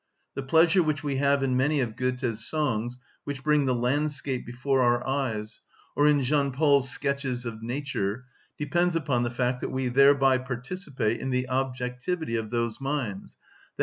The pleasure which we have in many of Goethe's songs which bring the landscape before our eyes, or in Jean Paul's sketches of nature, depends upon the fact that we thereby participate in the objectivity of those minds, _i.